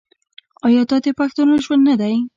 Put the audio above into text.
آیا دا د پښتنو ژوند نه دی؟